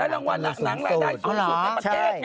ได้รางวัลหลักหนังเลยได้สุดให้มาแก๊กไง